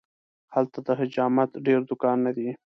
هلته د حجامت ډېر دوکانونه دي.